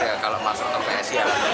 ya kalau masuk terpengah sialan